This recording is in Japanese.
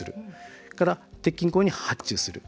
それから鉄筋工に発注する。